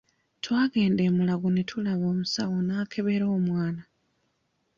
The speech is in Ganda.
Twagenda e Mulago ne tulaba omusawo n'akebera omwana.